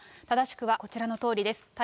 正しくはこちらのとおりです。